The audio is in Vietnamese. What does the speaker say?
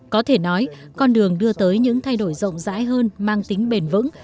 có thể nói con đường đưa tới những thay đổi rộng rãi hơn mang tính bền vững